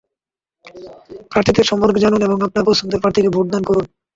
প্রার্থীদের সম্পর্কে জানুন এবং আপনার পছন্দের প্রার্থীকে ভোটদান করুন।